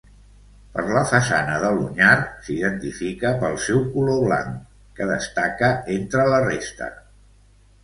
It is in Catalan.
Per la façana de l'Onyar s'identifica pel seu color blanc, que destaca entre la resta.